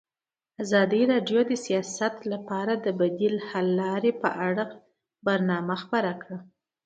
ازادي راډیو د سیاست لپاره د بدیل حل لارې په اړه برنامه خپاره کړې.